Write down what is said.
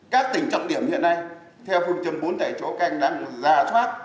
các tỉnh trọng điểm hiện nay theo phương trình bốn đại chỗ canh đang ra thoát